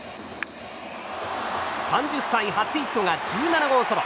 ３０歳初ヒットが１７号ソロ。